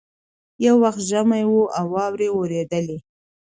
یو وخت ژمی وو او واوري اورېدلې